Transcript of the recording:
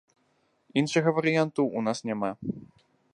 Іншага варыянту ў нас няма.